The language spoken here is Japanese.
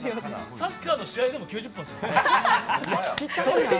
サッカーの試合でも９０分ですからね。